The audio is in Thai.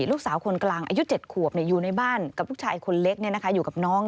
ลูกสาวคนกลางอายุ๗ขวบอยู่ในบ้านกับลูกชายคนเล็กอยู่กับน้อง